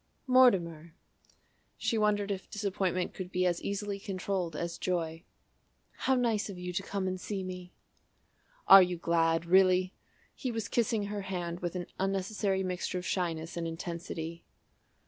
"Mortimer!" She wondered if disappointment could be as easily controlled as joy. "How nice of you to come and see me!" "Are you glad really?" He was kissing her hand with an unnecessary mixture of shyness and intensity.